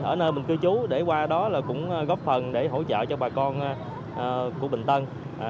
ở nơi mình cư trú để qua đó là cũng góp phần để hỗ trợ cho bà con của bình tân